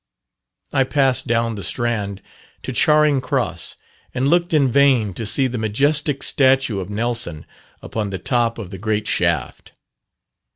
I passed down the Strand to Charing Cross, and looked in vain to see the majestic statue of Nelson upon the top of the great shaft.